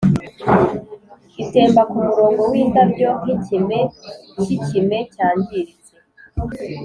itemba kumurongo windabyo nkikime cyikime cyangiritse,